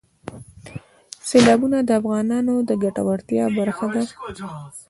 سیلابونه د افغانانو د ګټورتیا برخه ده.